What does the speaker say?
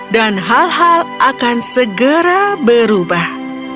dan hal hal akan segera berubah